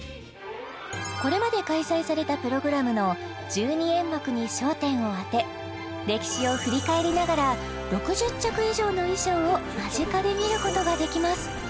これまで開催されたプログラムの１２演目に焦点を当て歴史を振り返りながら６０着以上の衣装を間近で見ることができます